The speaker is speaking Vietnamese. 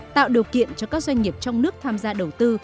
tạo điều kiện cho các doanh nghiệp trong nước tham gia đầu tư